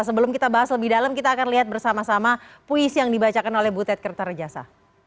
sebelum kita bahas lebih dalam kita akan lihat bersama sama puisi yang dibacakan oleh butet kertarejasa